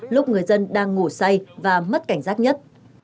lúc người dân đang ngủ say và mất cảnh giác nhất